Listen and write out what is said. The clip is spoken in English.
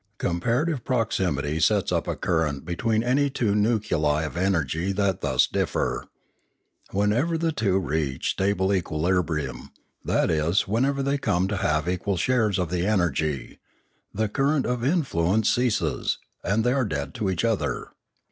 Comparative proximity sets up a current between any two nuclei of energy that thus differ. Whenever the two reach stable equilibrium, that is, whenever they come to have equal shares of the energy, the current of influence ceases, and they are dead to each other.